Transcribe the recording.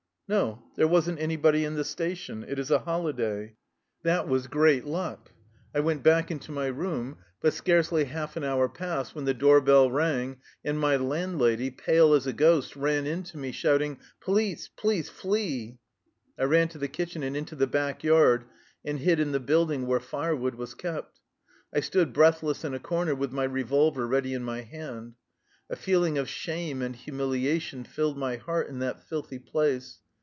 " No, there was n't anybody in the station. It is a holiday.'' * That was great luck. I went back into my 215 THE LIFE STOEY OF A EUSSIAN EXILE room. But scarcely balf an hour passed when the door bell rang and my landlady, pale as a ghost, ran in to me, shouting :" Police, police, flee !'' I ran to the kitchen and into the back yard and hid in the building where firewood \^as kept. I stood breathless in a corner, with my revolver ready in my hand. A feeling of shame and humiliation filled my heart in that filthy place.